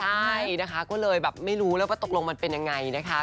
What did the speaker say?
ใช่นะคะก็เลยแบบไม่รู้แล้วว่าตกลงมันเป็นยังไงนะคะ